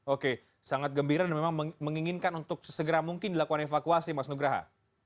oke sangat gembira dan memang menginginkan untuk sesegera mungkin dilakukan evakuasi mas nugraha